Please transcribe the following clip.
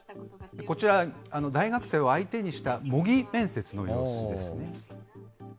こちら、大学生を相手にした、模擬面接の様子ですね。